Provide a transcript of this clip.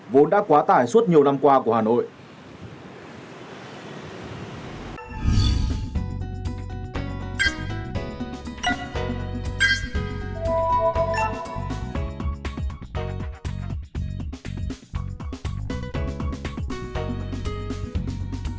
vốn đã quá tải suốt nhiều năm qua của hà nội